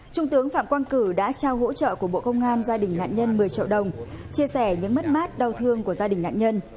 trung tướng phạm quang cử đã trao hỗ trợ của bộ công an gia đình nạn nhân một mươi triệu đồng chia sẻ những mất mát đau thương của gia đình nạn nhân